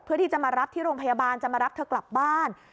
เพื่อที่จะมารับที่โรงพยาบาลจะมารับเธอกลับบ้าน